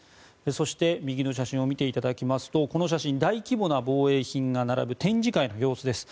そして、右の写真を見ていただきますとこの写真、大規模な防衛品が並ぶ展示会の様子です。